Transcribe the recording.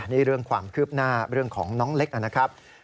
นี่เรื่องความคืบหน้าเรื่องของน้องเล็กนะครับ